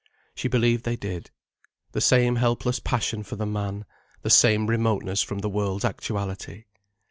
She believed they did. The same helpless passion for the man, the same remoteness from the world's actuality?